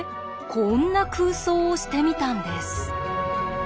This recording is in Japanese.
こんな空想をしてみたんです。